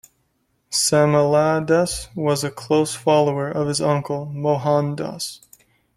Samaldas was a close follower of his uncle, Mohandas.